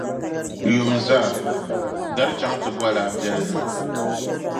Yumzaa, gari chaŋ ti boli a biεli na.